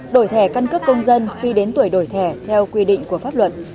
đổi thẻ căn cước công dân khi đến tuổi đổi thẻ theo quy định của pháp luật